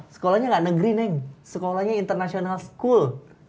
sekolahnya nggak negeri neng sekolahnya international school